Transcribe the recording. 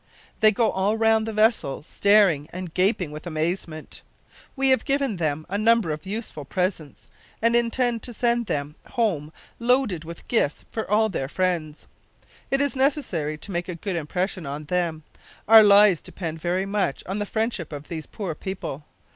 They go all round the vessel, staring and gaping with amazement. We have given them a number of useful presents, and intend to send them home loaded with gifts for their friends. It is necessary to make a good impression on them. Our lives depend very much on the friendship of these poor people.